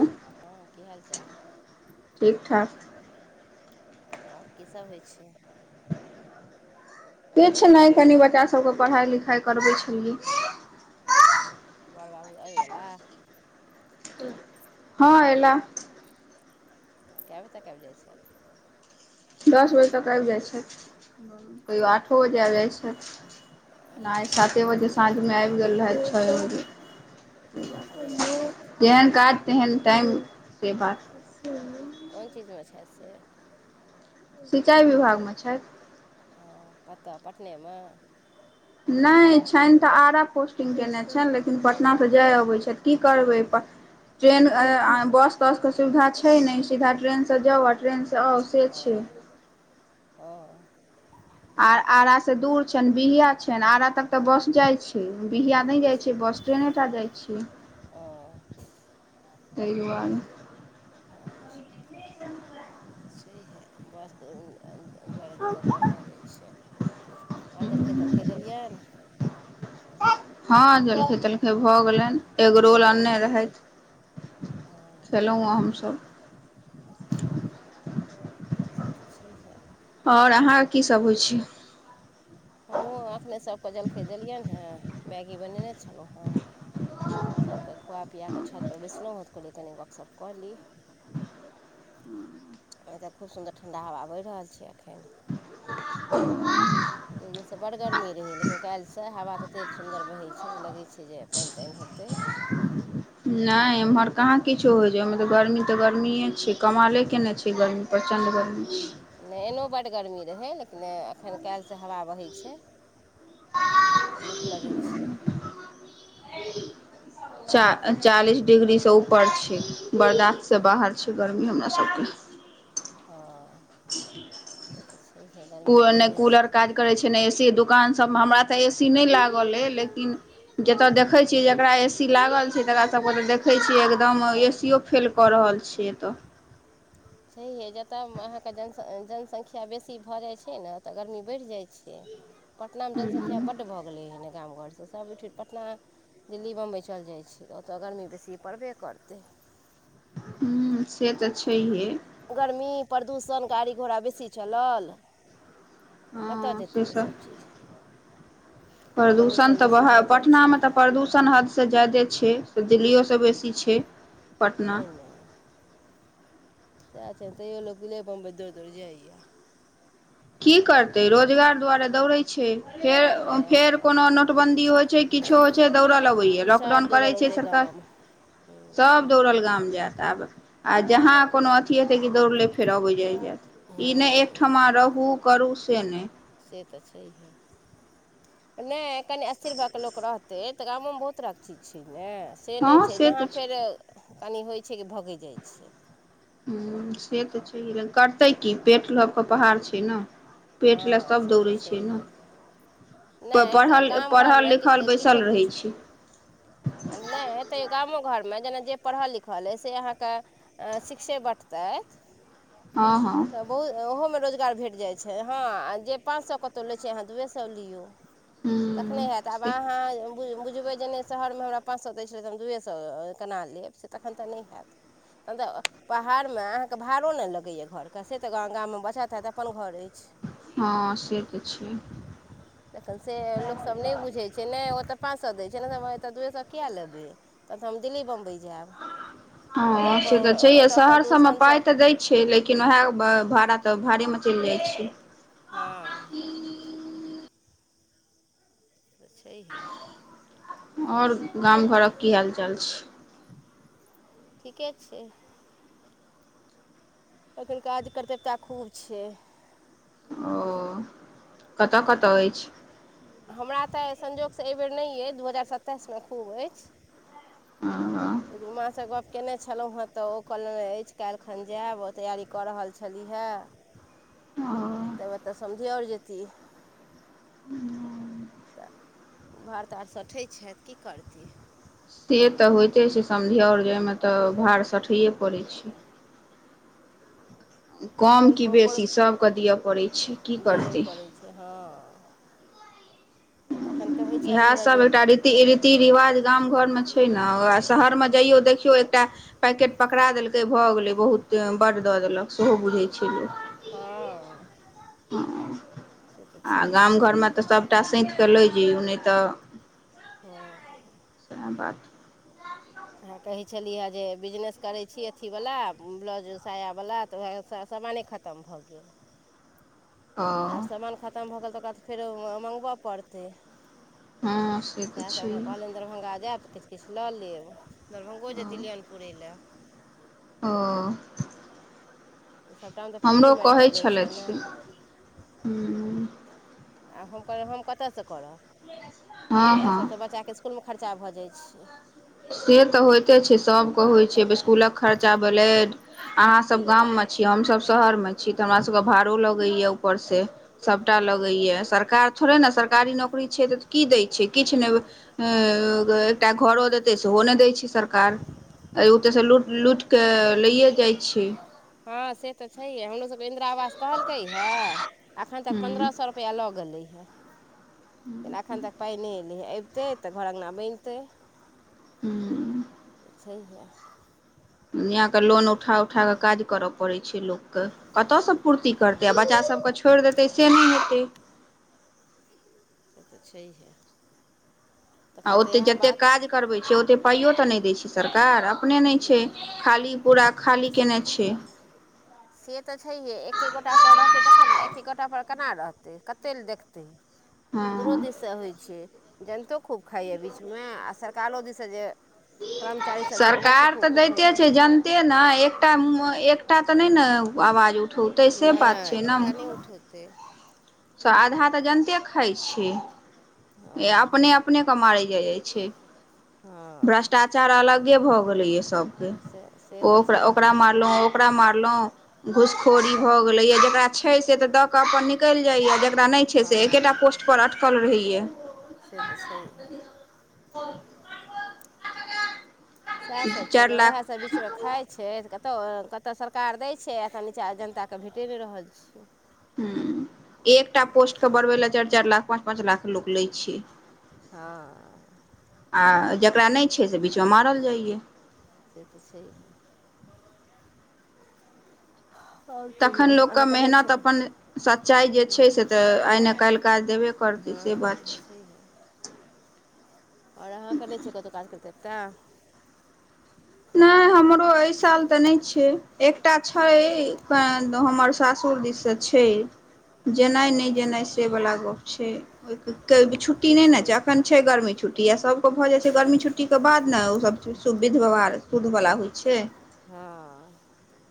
हँ। हँ कि हाल चाल ठीक ठाक। आओर किसभ होइ छै किछु नहि कनि बच्चा सभके पढ़ाइ लिखाइ करबै छलियै ओ वर बाबू आबि गेला। हँ, एला कए बजे तक आबि जाइ छथि दस बजे तक आबि जाइ छै कहियओ आठो बजे आबि जाइ छै। नहि साते बजे साँझ मे आबि गेल रहै छओ बजे ह, समिल गेल जेहन काज तेहन टाइमसे बात कोन चीज मे छथिसँ सिचाइ विभागमे छैथ। ओ कतऽ पटनेमे। नहि छनि तऽ आरा पोस्टिंग कयने छनि लेकिन पटना तऽ जाय अबैत छथि कि करबैप। ट्रेन बस तस के सुविधा छै नहि सीधा ट्रेनसँ जाउ आ ट्रेन। आ से छै। हँ। आ आरा से दूर छनि बिया छनि आरा तक ते बस जाय छी। बिया नहि जाइ छै, अच्छा बस ट्रेनेटा जाइ छियै ओ ताहि दुआरे त तऽ छैहे बस दुआरे दिक्कत बड्ड भऽ जाइ छै आओर जलखै तलखै देलियअनि हँ जलखे तलखे भऽ गेलनि एग रोल की बन अनने रहैथ ओ खेलहुँ हमसभ अच्छा से तऽ छैहे आओर अहाँके कीसभ होइ छै हमहूँ एखने सबके जलखै देलियनि हेँ मैगी बनेने छलहुँ हेँ सभकेँ खुआ पिया कऽ छतपर बैष्लहुँ हा‌ तल्टऽ कली तनि गपशप कयली ह एतऽ खूब सुन्दर ठण्डा हवा बहि रहल छै एखन ह [unintelligible] दू दिनसँ बड् गरमी रहै लेकिन काल्हिसँ हवा ततेक सुन्दर बहैत छै जे लगै छै जे पाईन ताईन हेतै नाय एम्हर कहाँ किछो होइ छै ओमे तऽ गर्मी तऽ गर्मीए छै कमाले के नहि छै गर्मी प्रचण्ड गर्मी छै। नहि एनो बड्ड गरमी रहै लेकिन एखन काल्हिसँ हवा बहैत छै तऽ नीक लगै छै [unintelligible] चा चालीस डिग्रीसँ ऊपर छै बाप बरदातसँ रे बाहर छै गर्मी हमरा सभभके ह से तऽ छैहे गर्मीए नहि तेहने कूलर छै काज करै ए सी दुकान सबमे हमरा तऽ ए सी नहि लागल अ लेकिन जतऽ देख देखै छियै जकरा ए सी लागल छै तकरा सबके तऽ देखै छियै एकदम ए सियो फेल कऽ रहल छि एतऽ छैहिये जतय अहाँके जन जनसंख्या बेसी भऽ जै जै नऽ‌त गर्मी बढ़ि जाइत छै पटनामे ह जनसंख्या बड्ड भऽ गेलै हन गाम घरसँ सभ उठुठ पटना दिल्ली बम्बइ चलि जाइ छै तऽ ओतय गर्मी बेसी पड़बे करतै ह से तऽ छैहे गर्मी प्रदूषण गाड़ी घोड़ा बेसी चलल हँ कतय जेतै से ओ सब सभ? चीज तऽ प्रदूषण तऽ बेसी बह भऽ जाइ छै। पटनामे तऽ प्रदूषण हदसँ जादे छै दिलियो सँ बेसी छै पटना ते ने सएह छैनि, तैयो लोक दिल्लिए बम्बई दौर-दौर जाइ छै। की करतै, रोजगार दुआरे दौड़ै छै फेर-फेर हँ कोनो नोटबन्दी होइ छै। किछो होइ छै दौड़ल अबैया सब लॉकडाउन दौड़ल करैत छै औतै सरकार गाम हूँ सभ दौड़ल गाम जायत आब आ जहाँ कोनो अथी हेतै कि दौड़ ले फेर अबैत जायय ई नहि, हूँ एकठामा रहू करू से नहि। से तऽ छैहे नहि कनि स्थिर भा कऽ लोक रहतै तऽ गामोमे बहुत तरहके चीज छै ने से नहि हँ छै, से जहाँ तऽ फेर कनि होइ छै कि भगैजाइ छै। ह से तऽ छै लेकिन करतै की पेट ल के पहाड़ छै ने पेट हँ लेल सभ से तऽ दौड़ै छै ने। छैहे प नहि गाम घरमे किछु पढ़ल-लिखल बैसल रहै छै। आ नहि तै गामो घरमे जेना जे पढ़ल लिखल अइ से अहाँके शिक्षे बटतैथ ह हँ तऽ बहुत ओहोमे रोजगार भेट जाइत छै हँ जे पाँच सए कतहु लै छै अहाँ दुूए सए लियौ तखने हेत, ह आब से अहाँ। बुझबै जे नहि, शहरमे हमरा पाँच सौ दै छलै, तऽ हम दुए सौ केना लेब से तखन तऽ नहि हेत। तखन तऽ पहाड़मे अहाँके भाड़ो नहि लगै ए घरके से तऽ ग गाम मे बचत हेत अपन घर ऐछ हँ से तऽ छै [inaudible] स लोक सब नहि बुझैछ से नहि, ओतऽ पाँच सौ दै छै ने, तऽ हम एतऽ दुइए सौ कऽ किया लेबै? तह तऽ हम दिल्ली-बम्बई जैब [inaudible] हँ, से तऽ छै, ओतऽ शहर सभमे प्रदूषणसँ पाइ तऽ दैए छै, लेकिन ओएह भाड़ा तऽ भाड़ेमे चैल जाइ छै। हँ तऽ छैहे और गाम घर क की हाल चाल छै ठीके छै एखन काज चर्चा खूब छै ओ [inaudible] कतय कतय अछि हमरा तऽ संजोगसँ एहिबर नहि अइ दू हजार सत्ताइस मे खूब अछि [unintelligible] लेकिन माँ सँ गप कने छलहुँ, हँ तऽ ओ कहलनि अछि काइल खन जायब। ओ तैयारी कऽ रहल छलीह। ओ [inaudible] तऽ म समधि और जैथी [unintelligible] भार तार सठै छैथ की करती से तऽ होइते छै समधिऔर जाइमे तऽ भार सठैए पड़ै छै कम तखन कि बोपर बेसी सभके दिअ पड़ैत छै की दिअ करतै [unintelligible] [inaudible] तखन कहै इएह छलीहे सब जे एकटा रीत रीति-रिवाज गाम-घरमे छै ने वैह शहरमे जाइयो देखिय। केओ एकटा पैकेट पकड़ा देलकै, भऽ गेलै। बहुत बड़ देलक सेहो बुझै छै लोक। हँ से तऽ [inaudible] आ छैहे गाम घरमे तऽ सब सबटा सैत कऽ लै जे ओ नहि तऽ हँ [unintelligible] आ कहै छलियै हे जे बिजनेस करैत छी अथीवला ब्लाउज-साया वाला तऽ उएह सामान खत्म। खतम भऽ गेल ओ तऽ आब सामान खतम भऽ गेल, तऽ ओकरा तऽ फेरो मंगब पड़तै। हँ से सएह तऽ सभके छै कहलनि दरभंगा जायब तऽ किछ किछ लऽ लेब दरभंगो जेती ल अनपुरै लए [unintelligible] तऽ सभटामे तऽ पूँजी हमरो मैर कऽ कहै जाइ छै ने छलथि हूँ [inaudible] आब हम कह हम कतऽसँ करब हँ हँ पैसा तऽ बच्चाके स्कूल में खर्चा भऽ जाइ छै से तऽ होइते छै सभके होइ तऽ छै स्कूल खर्चा भैले अहाँसभ गाममे छी हमसभ शहरमे छी तऽ हमर सभभके भाड़ो लगैएा ऊपरसँ सभटा लगैए सरकार थोड़े ने सरकारी नौकरी छै तऽ की दै छै किछ नहि [unintelligible] एकटा घरो दे देते सेहो नहि दै छै सरकार ओतऽसँ लुट लुट क लैए जाइ छै हँ से तऽ छैहे। हमरो सभके इन्दिरा आवास कहलकै हे अखन तक पन्द्रह हूँ सौ रुपैया लऽ गेलै हँ, [inaudible] तैले एखन तक पाइ नहि एलै हैं एतऽ तऽ घर अगना बनतै। हू। छै हे। यियाके लोन उठा उठा कऽ काज करय पड़ैत छै लोकके कतयसँ पूर्ति करतै आ बच्चा सभके छोड़ि देतै से नहि हेतै। से तऽ छैहे। आ तखन तऽ ओतेक इएह जतेक बात काज। करबै छै ओते पाइयो तऽ नहि दै छै सरकार अपने नहि छै ख खाली कनेने छै। से तऽ छै हे, एक्के गोटा पर रहतै तऽ एक्के गोटा पर केना रहतै? कतेक लऽ देखतै। [inaudible] हँ दुरो दिसँ होइ छै जनतो खूब खाइए बीचमे आ सरकारो दिससँ जे। कर्मचारी सब छै ओहो सब सरकार खूब तऽ खूब खाइ दैते छै जनिते नहि एकटा एक सभटा तऽ नहि ने, आवाज उठौतै सँ बात छै ने। उठे आधा तऽ जानिते खाइत छियै। हँ अपने अपने के मार जा जाइ छै हँ भ्रष्टाचार अचारा अलगे भऽ गेलैए सभके से से तऽ ओकरा छैहे ओकरा मारलहुँ कपड़ा मारल घूसखोरी ब भए गेले या जेकरा छै से के अपन निकल जाइ जेकरा नहि छै, से एकेटा हँ पोस्ट पर अटकलऽ रहै छै। से तऽ छै हे आ सएह सभ छै चारि ने लाख उएहसभ बीचमे खाइ छै त कतहु कतय सरकार दै छै आखन निचाँ जनताकेँ भेटि नहि रहल छ ह एकटा पोस्ट के बढ़बै लए चारि चारि लाख पाँच पाँच लाख लै छै हँ। आ जकरा नहि छै से बीचमे मारल जाइये से तऽ छैै हे आओर कहियौ तखन लोकके अहाँके नहि छै मेहनत अपन सच्चाइ जे छै, से तऽ आइ नहि काल्हि। काज देबे करतै से बात छै ठीक है आओर अहाँकेँ नहि छै कतौ काज करतैब तऽ नहि हमरो एहि साल तऽ नहि छै। एकटा छै हमर सासुरजीसँ छै जेनाइ नहि जेनाइ ओ से वाल गप छै ओ कऽ अभी तऽ छुट्टी की नै न छै छियै अखन छै गर्मी छुट्टी आर सभके भऽ जाइ छै गर्मी छुट्टीके बाद ने ओ सभ सुविध व्यवहार सूधवला होइ छै। हँ।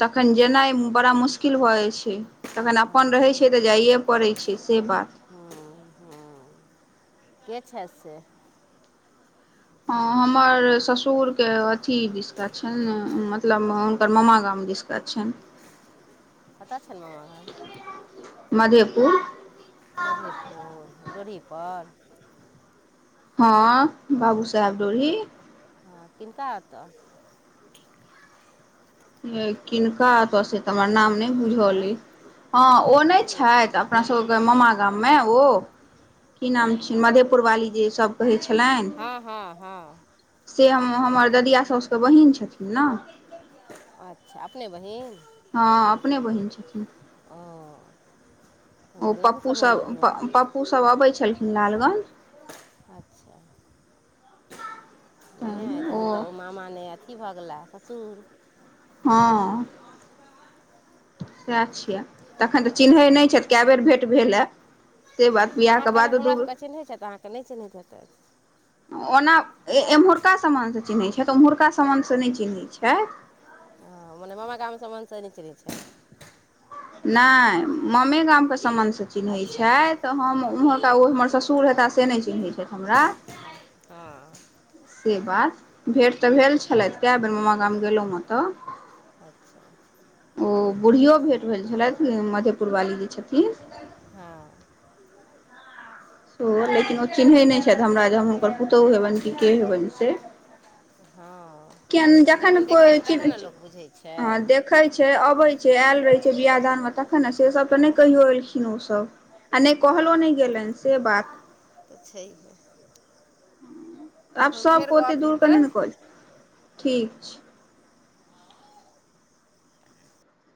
तखन जेनाइ बड़ा मुश्किल भऽ जाइ छै। तखन अपन रहै हँ छै तऽ जाइए पड़ै छै सँ बात ह, ह के छैथ से हमर ससुरके अथी विसक छल ने मतलब ओकर मामा गाम दिस [inaudible] कत छैन मामा गाम मधेपुर। मधेपुर डोड़ी हँ, बाबू साहेब डोरी। हँ, किनका आतौ किनका एतऽ से तऽ हमर नाम नहि आँय बुझले हँ ओ नहि छथि आब अपना सभके मामा गाममे ओ कि नाम छ मधेपुरवाली जे सभ कहै छलेन हँ हँ हँ से हम हमर ददिया सभके बहिन छथिन ने अच्छा अपने बहिन। हँ, अपने बहिन छथिन [unintelligible] ओ पप्पू सम्बन्ध सब भेल पप्पू सब अबै छलखिन लालगंज अच्छा। बढ़िआँ अइ तखन तऽ ओ मामा नहि अथी भऽ गेलाह ससुर ह सएह छियै तखन तऽ चिन्है नहि छथि कए बेर भेँट भेल है अहाँकेँ कहबै हमर सभके चिन्हैत छैथ अहाँकेँ नहि चिन्हैत हेतै ओना एम्हुरका सामानसँ चिन्हैत छथि तऽ ओम्हुरका समामानसँ नहि चिन्हैत छथि हँ मने मामा गाम सममसन नहि चलेंगे छै [unintelligible] नहि ममे गाम केँ समान चिन्हैत अच्छा छथि तऽ हम ओम्हरका ओ हमर ससुर हेताह से नहि चिन्हैत छथि हमरा [unintelligible] से बात भेँट तऽ भेल छलथि कए बेर मामा गाम गेलौ हतऽ अचछा ओ बूढ़ियो भेँट भेल छलथि मधेपुरवाली जे छथिन हॅ सेहो लेकिन ओ चिन्हैत नहि छथि हमरा जे हम हुनकर पुतहु हेबैन कि के हेबैन से किया हँ जखन देखै छैै तखन ने कोइ लोक बुझै छै हँ देखै छै अबै छै आयल रहै छै बियाह दानमे तखन ने से सब तऽ नहि कहियो एलखिन ओसभ आ नहि कहलो नहि हँ गेलेन से बात तऽ छहियै आब सबक फेर ओते गप दूर के हेतै ने कह ठीक छै ह